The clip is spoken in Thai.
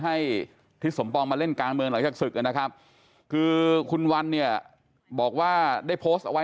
ทิศสมปองมาเล่นการเมืองหลังจากศึกนะครับคือคุณวันเนี่ยบอกว่าได้โพสต์เอาไว้